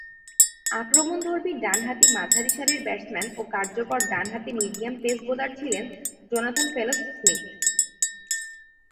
আক্রমণধর্মী ডানহাতি মাঝারিসারির ব্যাটসম্যান ও কার্যকর ডানহাতি মিডিয়াম পেস বোলার ছিলেন জোনাথন ফেলোস-স্মিথ।